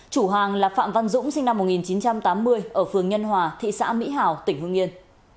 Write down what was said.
chủ hàng là phạm văn dũng sinh năm một nghìn chín trăm tám mươi ở phường nhân hòa thị xã mỹ hào tỉnh hương yên